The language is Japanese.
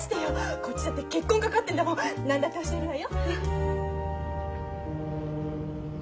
こっちだって結婚かかってんだもん何だって教えるわよ。